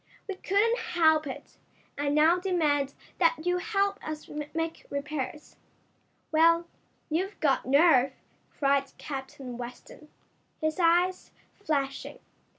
"We couldn't help it. I now demand that you help us make repairs." "Well, you've got nerve!" cried Captain Weston, his eyes flashing.